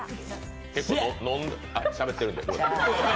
あっ、しゃべってるんで。